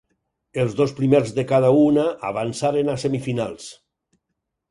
Els dos primers de cada una avançaren a semifinals.